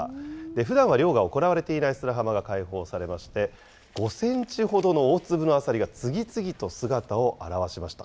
ふだんは漁が行われていない砂浜が開放されまして、５センチほどの大粒のアサリが次々と姿を現しました。